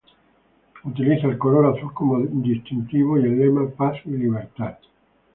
Utiliza el color azul como distintivo y el lema "Paz y Libertad".